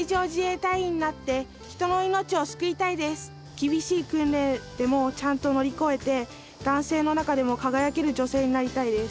厳しい訓練でもちゃんと乗り越えて男性の中でも輝ける女性になりたいです。